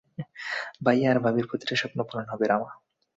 ভাইয়া আর ভাবির প্রতিটা স্বপ্ন পূরণ হবে, রামা।